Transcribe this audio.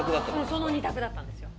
その２択だったんですよ。